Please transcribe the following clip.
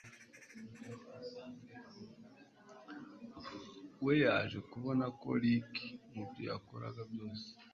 we yaje kubona ko Ricky mubyo yakoraga byose